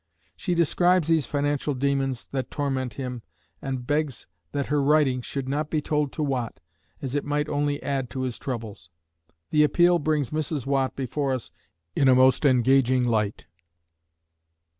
She describes these financial demons that torment him and begs that her writing should not be told to Watt, as it might only add to his troubles. The appeal brings Mrs. Watt before us in a most engaging light.